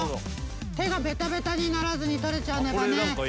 手がべたべたにならずに取れちゃうねばね。